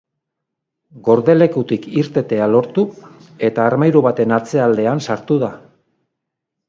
Gordelekutik irtetea lortu, eta armairu baten atzealdean sartu da.